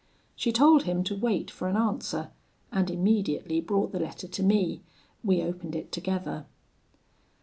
She told him to wait for an answer, and immediately brought the letter to me: we opened it together.